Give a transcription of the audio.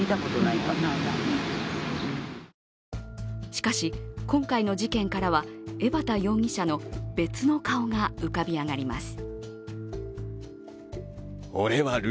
しかし、今回の事件からは江畑容疑者の別の顔が浮かび上がります。